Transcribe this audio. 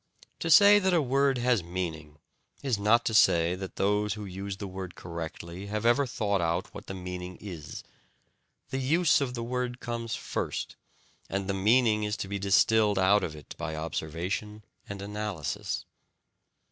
To say that a word has a meaning is not to say that those who use the word correctly have ever thought out what the meaning is: the use of the word comes first, and the meaning is to be distilled out of it by observation and analysis.